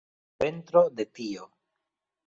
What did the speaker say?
Ventro de tio!